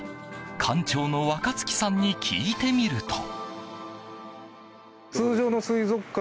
館長の若月さんに聞いてみると。